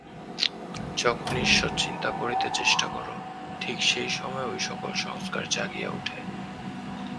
যখনই ঈশ্বরচিন্তা করিতে চেষ্টা কর, ঠিক সেই সময়েই ঐ-সকল সংস্কার জাগিয়া উঠে।